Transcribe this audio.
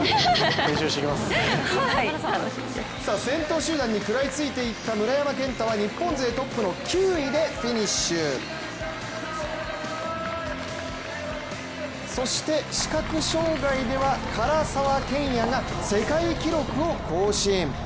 先頭集団に食らいついていった村山謙太は日本勢トップの９位でフィニッシュそして視覚障がいでは唐澤剣也が世界記録を更新。